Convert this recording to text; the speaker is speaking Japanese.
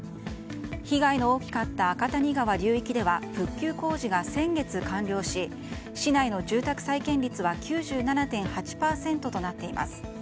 被害の大きかった赤谷川流域では復旧工事が先月完了し市内の住宅再建率は９７．８％となっています。